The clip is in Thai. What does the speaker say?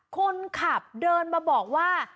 คนขับเดินมาบอกว่า